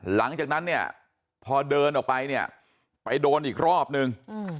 หลังจากนั้นเนี่ยพอเดินออกไปเนี่ยไปโดนอีกรอบนึง